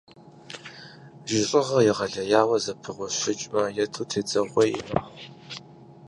Жьыщӏыгъэр егъэлеяуэ зэпыгъущыкӏмэ, ету тедзэгъуей мэхъу.